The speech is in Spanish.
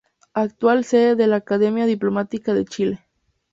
Actual sede de la Academia Diplomática de Chile.